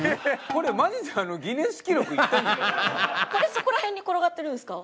これそこら辺に転がってるんですか？